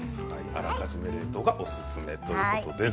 あらかじめ冷凍がオススメということです。